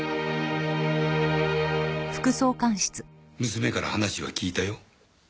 娘から話は聞いたよ。